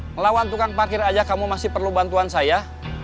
melawan tukang parkir aja kamu masih perlu bantuan saya